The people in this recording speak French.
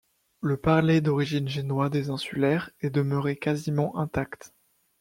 Le parlé d'origine génois des insulaires est demeuré quasiment intact.